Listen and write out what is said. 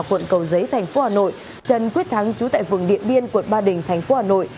quận cầu giấy tp hcm trần quyết thắng chú tại vườn điện biên quận ba đình tp hcm